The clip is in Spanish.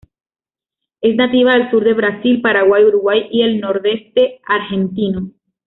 Es nativa del sur de Brasil, Paraguay, Uruguay y el nordeste argentino.